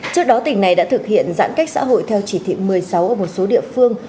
trước đó tỉnh này đã thực hiện giãn cách xã hội theo chỉ thị một mươi sáu ở một số địa phương